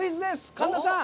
神田さん。